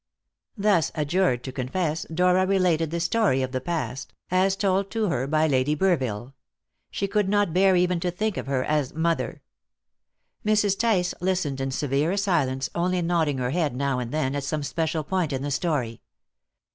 Thus adjured to confess, Dora related the story of the past, as told to her by Lady Burville she could not bear even to think of her as "mother." Mrs. Tice listened in severe silence, only nodding her head now and then at some special point in the story.